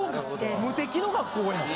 無敵の学校やん。